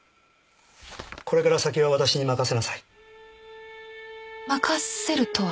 これから先は私に任せなさい任せるとは？